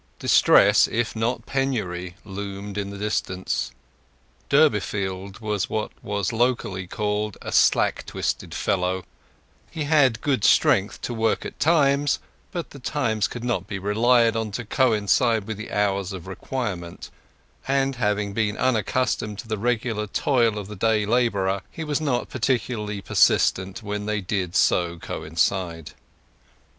Distress, if not penury, loomed in the distance. Durbeyfield was what was locally called a slack twisted fellow; he had good strength to work at times; but the times could not be relied on to coincide with the hours of requirement; and, having been unaccustomed to the regular toil of the day labourer, he was not particularly persistent when they did so coincide.